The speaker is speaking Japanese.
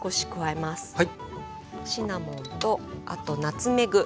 シナモンとあとナツメグ。